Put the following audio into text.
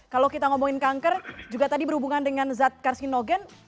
kalau kita ngomongin kanker juga tadi berhubungan dengan zat karsinogen